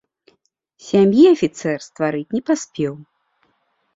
Сям'і афіцэр стварыць не паспеў.